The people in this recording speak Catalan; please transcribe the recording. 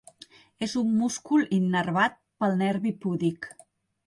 És un múscul innervat pel nervi púdic.